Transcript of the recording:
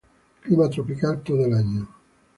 Clima tropical todo el año.